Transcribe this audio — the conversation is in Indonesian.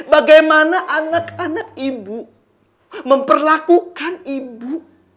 bagaimana anak anak ibu memperlakukan ibu